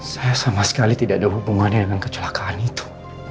saya sama sekali tidak ada hubungannya dengan kecelakaan itu